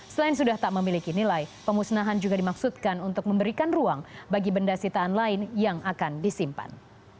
selain sudah tak memiliki nilai pemusnahan juga dimaksudkan untuk memberikan ruang bagi benda sitaan lain yang akan disimpan